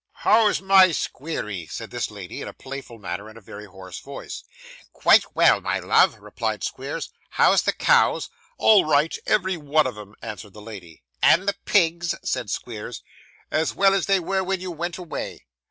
'How is my Squeery?' said this lady in a playful manner, and a very hoarse voice. 'Quite well, my love,' replied Squeers. 'How's the cows?' 'All right, every one of'em,' answered the lady. 'And the pigs?' said Squeers. 'As well as they were when you went away.